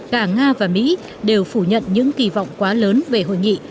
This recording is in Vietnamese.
cả nga và mỹ đều phủ nhận những kỳ vọng quá lớn về hội nghị